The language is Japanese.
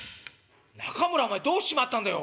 「中村お前どうしちまったんだよ。